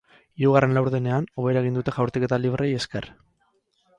Hirugarren laurdenean, hobera egin dute jaurtiketa libreei esker.